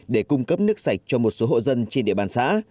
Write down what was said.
để cung cấp nước sạch cho một số hộ dân trên địa bàn xã